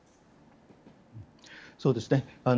そうですね。